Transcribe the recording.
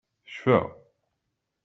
Tecfa.